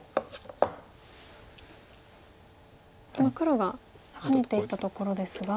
今黒がハネていったところですが。